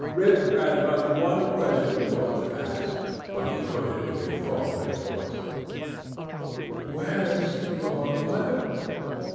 Rip had but one question more to ask; but he put it with a faltering voice: "Where's your mother?"